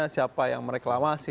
siapa yang mereklamasi